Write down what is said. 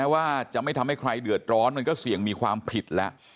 ว่าจะไม่ทำให้ใครเดือดร้อนมันก็เสี่ยงมีความผิดแล้ว